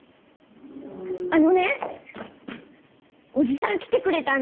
あのねおじさん来てくれたんだ。